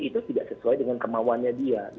itu tidak sesuai dengan kemauannya dia